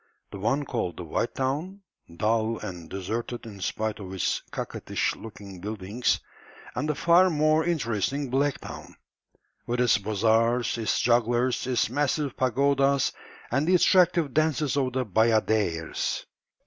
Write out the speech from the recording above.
The one called the "white town," dull and deserted in spite of its coquettish looking buildings, and the far more interesting "black town," with its bazaars, its jugglers, its massive pagodas, and the attractive dances of the bayadères.